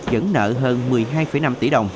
vẫn nợ hơn một mươi hai năm tỷ đồng